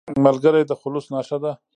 ملګری د خلوص نښه ده